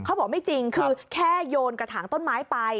เขาบอกไม่จริงคือแค่โยนกระถางต้นไม้ไป